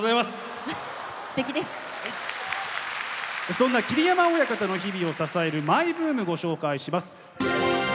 そんな桐山親方の日々を支えるマイブームご紹介します。